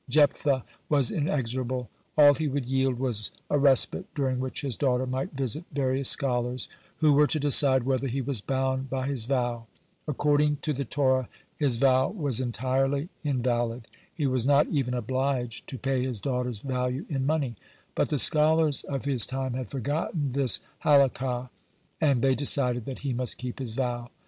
Jephthah was inexorable. All he would yield was a respite during which his daughter might visit various scholars, who were to decide whether he was bound by his vow. According to the Torah his vow was entirely invalid. He was not even obliged to pay his daughter's value in money. But the scholars of his time had forgotten this Halakah, and they decided that he must keep his vow.